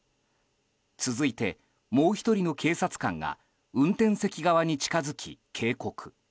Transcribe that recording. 続いて、もう１人の警察官が運転席側に近づき警告。